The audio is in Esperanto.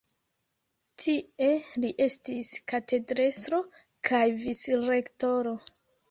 Tie li estis katedrestro kaj vicrektoro.